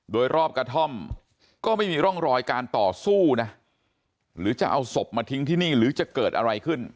โดยรอบกระท่อมก็ไม่มีร่องรอยการต่อสู้นะหรือจะเอาศพมาทิ้งที่นี่หรือจะเกิดอะไรขึ้น